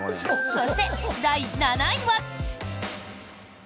そして、第６位は。